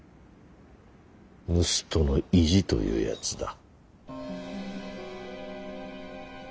盗人の意地というやつだ。